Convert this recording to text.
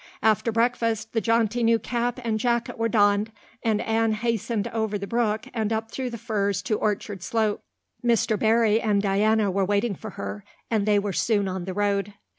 After breakfast the jaunty new cap and jacket were donned, and Anne hastened over the brook and up through the firs to Orchard Slope. Mr. Barry and Diana were waiting for her, and they were soon on the road.